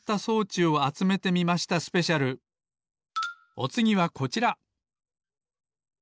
おつぎはこちら！